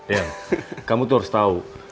ian kamu tuh harus tau